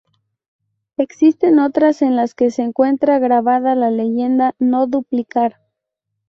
Existen otras en las que se encuentra grabada la leyenda "no duplicar".